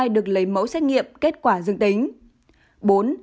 hai được lấy mẫu xét nghiệm kết quả dương tính